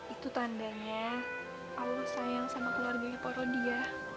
itu tandanya allah sayang sama keluarganya pak rodia